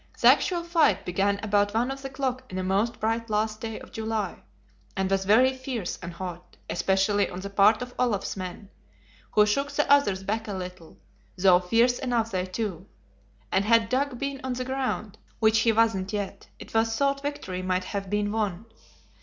The actual fight began about one of the clock in a most bright last day of July, and was very fierce and hot, especially on the part of Olaf's men, who shook the others back a little, though fierce enough they too; and had Dag been on the ground, which he wasn't yet, it was thought victory might have been won.